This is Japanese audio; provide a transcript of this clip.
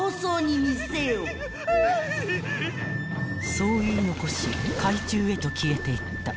［そう言い残し海中へと消えていった］